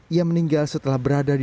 ia meninggal setelah berada di dalam kebun